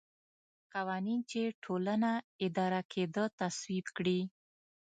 قوانین چې ټولنه اداره کېده تصویب کړي.